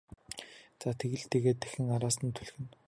За тэг л дээ гээд дахин араас нь түлхэнэ.